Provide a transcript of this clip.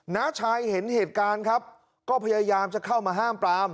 น้าชายเห็นเหตุการณ์ครับก็พยายามจะเข้ามาห้ามปราม